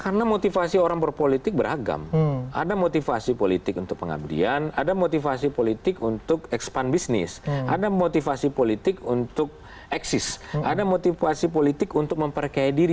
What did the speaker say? karena motivasi orang berpolitik beragam ada motivasi politik untuk pengabdian ada motivasi politik untuk expand bisnis ada motivasi politik untuk eksis ada motivasi politik untuk memperkaya diri